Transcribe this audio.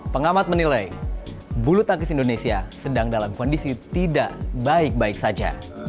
pengamat menilai bulu tangkis indonesia sedang dalam kondisi tidak baik baik saja